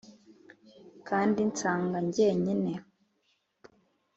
kandi nsanga njyenyine?